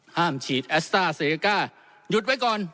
ห้ามฉีดแอสต้าเซก้าหยุดไว้ก่อน